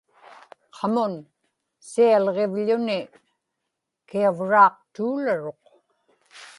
qamun sialiġivḷuni kiavraaqtuularuq